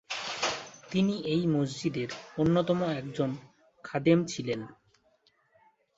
তিনি এই মসজিদের অন্যতম একজন খাদেম ছিলেন।